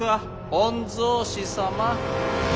御曹司様。